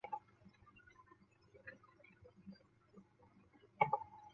沃多拉兹杰利诺耶村委员会是俄罗斯联邦阿穆尔州谢雷舍沃区所属的一个村委员会。